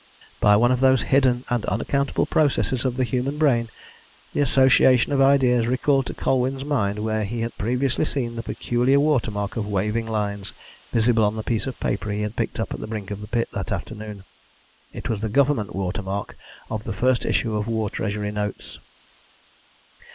By one of those hidden and unaccountable processes of the human brain, the association of ideas recalled to Colwyn's mind where he had previously seen the peculiar watermark of waving lines visible on the piece of paper he had picked up at the brink of the pit that afternoon: it was the Government watermark of the first issue of War Treasury notes.